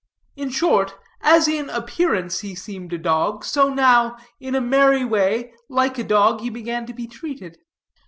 In short, as in appearance he seemed a dog, so now, in a merry way, like a dog he began to be treated.